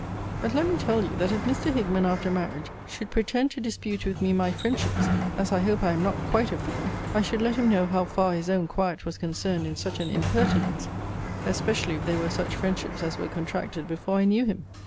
But let me tell you, that if Mr. Hickman, after marriage, should pretend to dispute with me my friendships, as I hope I am not quite a fool, I should let him know how far his own quiet was concerned in such an impertinence; especially if they were such friendships as were contracted before I knew him.